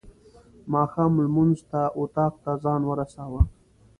ماښام لمونځ ته اطاق ته ځان ورساوه.